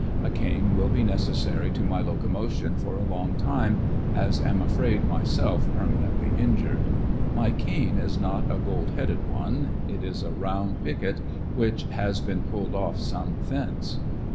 A cane will be necessary to my locomotion for a long time as am afraid myself permanently injured; my cane is not a gold headed one; it is a round picket which has been pulled off some fence.